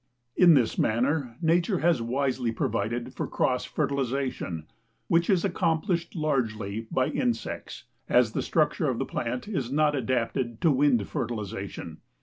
In this manner, nature has wisely provided for cross fertilization which is accomplished largely by insects, as the structure of the plant is not adapted to wind fertilization.